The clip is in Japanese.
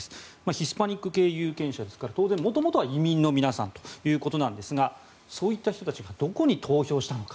ヒスパニック系有権者ですから当然、もともとは移民の皆さんということですがそういった人たちがどこに投票したのか。